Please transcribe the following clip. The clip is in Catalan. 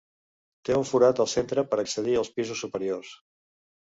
Té un forat al centre per accedir als pisos superiors.